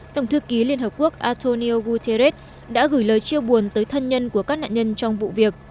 tổng thư ký liên hợp quốc antonio guterres đã gửi lời chia buồn tới thân nhân của các nạn nhân trong vụ việc